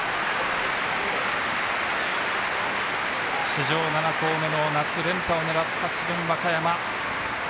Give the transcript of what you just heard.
史上７校目の夏連覇を狙った、智弁和歌山。